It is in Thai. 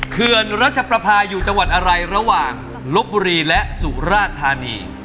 เขื่อนรัชประพาอยู่จังหวัดอะไรระหว่างลบบุรีและสุราธานี